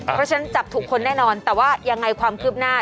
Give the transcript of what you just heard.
เพราะฉะนั้นจับถูกคนแน่นอนแต่ว่ายังไงความคืบหน้า